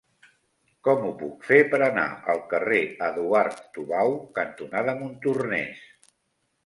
Com ho puc fer per anar al carrer Eduard Tubau cantonada Montornès?